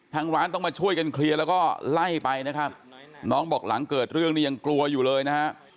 ทางร้านต้องมาช่วยกันเคลียร์แล้วก็ไล่ไปนะครับน้องบอกหลังเกิดเรื่องนี้ยังกลัวอยู่เลยนะฮะ